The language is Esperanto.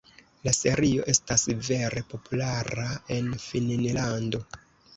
La serio estas vere populara en Finnlando.